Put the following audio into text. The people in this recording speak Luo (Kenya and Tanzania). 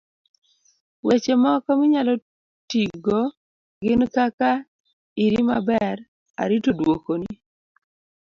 weche moko minyalo tigo gin kaka; iri maber, arito duoko ni